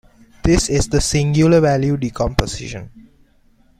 This is the singular value decomposition.